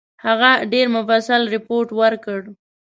هغه ډېر مفصل رپوټ ورکړ.